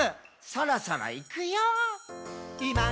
「そろそろいくよー」